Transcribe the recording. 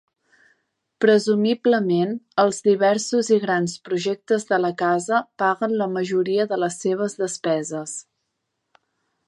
Presumiblement, els diversos i grans projectes de la casa paguen la majoria de les seves despeses.